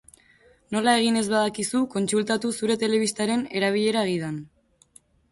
Nola egin ez badakizu, kontsultatu zure telebistaren erabilera gidan.